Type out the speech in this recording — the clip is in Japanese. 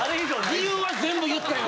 理由は全部言ったよ？